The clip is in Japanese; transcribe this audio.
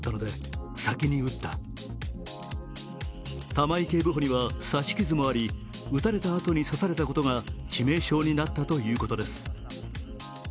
玉井警部補には刺し傷もあり、撃たれたあとに刺されたことが致命傷になったということです。